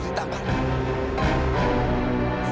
suruh shahin bilang